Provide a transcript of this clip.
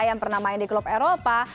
yang pernah main di klub eropa